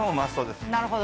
なるほど。